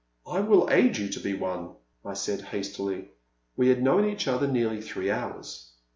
I will aid you to be one !" I said, hastily. We had known each other nearly three hours.